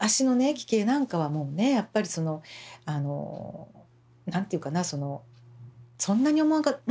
奇形なんかはもうねやっぱりその何て言うかなそのそんなに思わなかったんですよ。